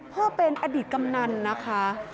เพราะเป็นอดีตกำนั้นนะคะ